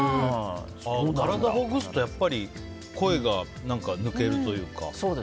体ほぐすとやっぱり声が抜けるというか？